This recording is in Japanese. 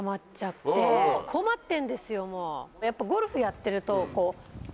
やっぱゴルフやってると。